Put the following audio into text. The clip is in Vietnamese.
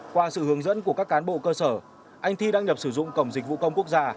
qua sự hướng dẫn của các cán bộ cơ sở anh thi đăng nhập sử dụng cổng dịch vụ công quốc gia